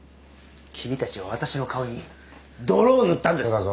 君たちは私の顔に泥を塗ったんです。